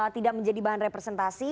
tidak menjadi bahan representasi